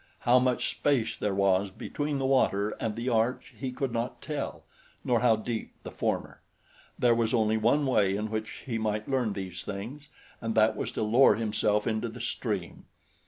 How much space there was between the water and the arch he could not tell, nor how deep the former. There was only one way in which he might learn these things, and that was to lower himself into the stream.